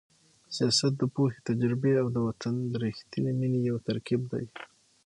سیاست د پوهې، تجربې او د وطن د رښتینې مینې یو ترکیب دی.